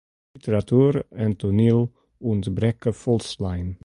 Literatuer en toaniel ûntbrekke folslein.